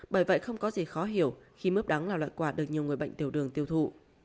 bởi vậy không có gì khó hiểu khi mướp đắng là loại quả được nhiều người bệnh tiểu đường tiêu thụ